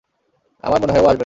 আমার মনে হয় ও আসবেনা।